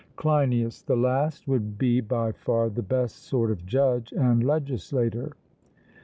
CLEINIAS: The last would be by far the best sort of judge and legislator.